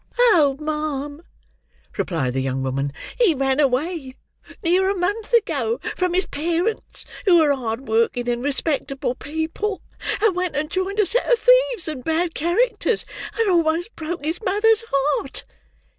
"Oh, ma'am," replied the young woman, "he ran away, near a month ago, from his parents, who are hard working and respectable people; and went and joined a set of thieves and bad characters; and almost broke his mother's heart."